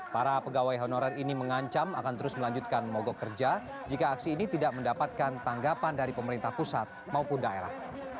para pegawai honorer ini mengancam akan terus melanjutkan mogok kerja jika aksi ini tidak mendapatkan tanggapan dari pemerintah pusat maupun daerah